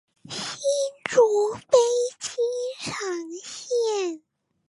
新竹飛機場線